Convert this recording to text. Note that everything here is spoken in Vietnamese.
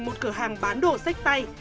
một cửa hàng bán đồ sách tay